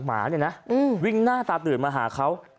หมาเนี่ยนะวิ่งหน้าตาตื่นมาหาเขา